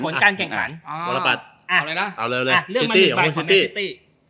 ผลการแข่งขันอ่าอ่าเอาเลยละเอาเลยเอาเลยอ่าเลือกมาหนึ่งใบของแมนซิตี้